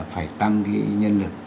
phải tăng cái nhân lực